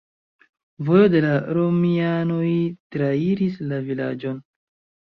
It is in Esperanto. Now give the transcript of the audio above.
Vojo de la romianoj trairis la vilaĝon.